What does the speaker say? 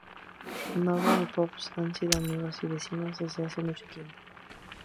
Norman y Pops han sido amigos y vecinos desde mucho tiempo.